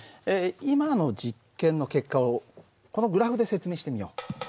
今の実験の結果をこのグラフで説明してみよう。